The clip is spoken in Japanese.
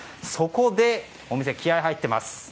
そこでお店は気合が入っています。